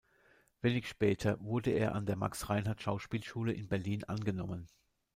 Wenig später wurde er an der Max-Reinhardt-Schauspielschule in Berlin angenommen.